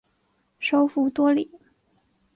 首府多里。